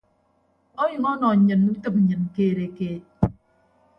Onyʌñ ọnọ nnyịn utịp nnyịn keed keed.